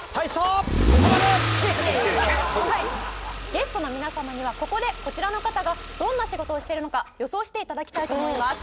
ゲストの皆様にはここでこちらの方がどんな仕事をしているのか予想していただきたいと思います。